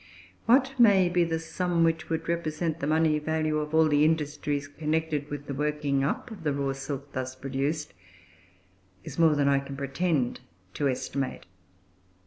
What may be the sum which would represent the money value of all the industries connected with the working up of the raw silk thus produced, is more than I can pretend to estimate.